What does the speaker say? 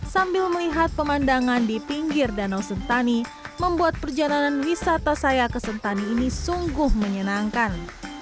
sambil melihat pemandangan di pinggir danau sentani membuat perjalanan wisata saya ke sentani ini sungguh menyenangkan